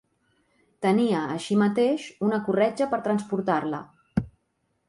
Tenia així mateix una corretja per transportar-la.